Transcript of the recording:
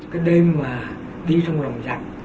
cái đêm mà đi trong đồng giặc